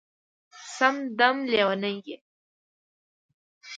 سم دم لېونی یې